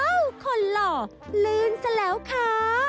อ้าวคนหล่อลื่นเสียแล้วค่ะ